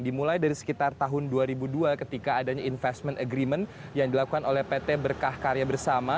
dimulai dari sekitar tahun dua ribu dua ketika adanya investment agreement yang dilakukan oleh pt berkah karya bersama